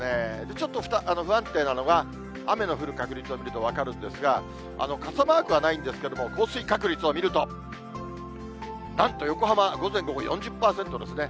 ちょっと不安定なのが、雨の降る確率を見ると分かるんですが、傘マークはないんですけれども、降水確率を見ると、なんと横浜、午前、午後、４０％ですね。